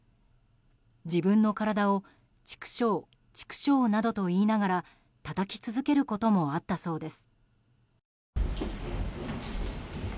自分の体をちくしょう、ちくしょうなどと言いながらたたき続けることもあったそうです。